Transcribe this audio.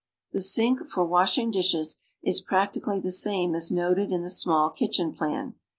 The sink for washing dishes is practically the same as noted in the small kitchen plan.